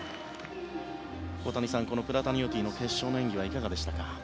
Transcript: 小谷さん、プラタニオティの決勝の演技はいかがでしたか。